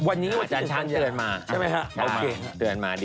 อาจารย์ช้านเตือนมา